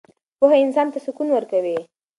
پوهه انسان ته سکون ورکوي.